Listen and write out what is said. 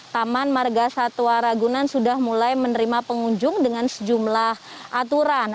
taman marga satwa ragunan sudah mulai menerima pengunjung dengan sejumlah aturan